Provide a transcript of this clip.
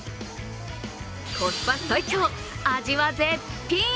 コスパ最強、味は絶品。